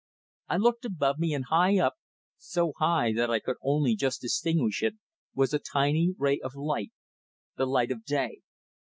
I looked above me and high up, so high that I could only just distinguish it was a tiny ray of light the light of day.